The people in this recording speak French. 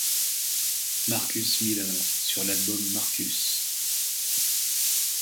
Marcus Miller, sur l'album Marcus.